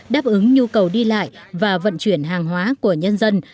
đáp ứng nhu cầu đi lại và vận chuyển hàng hóa của nhân dân